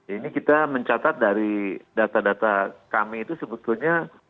ini kita mencatat dari data data kami itu sebetulnya